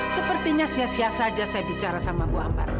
sepertinya sia sia saja saya bicara sama bu ambar